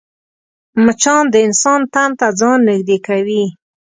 مچان د انسان تن ته ځان نږدې کوي